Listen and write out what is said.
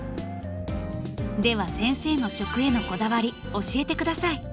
では先生の食へのこだわり教えてください。